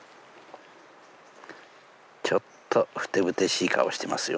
ちょっとふてぶてしい顔してますよ。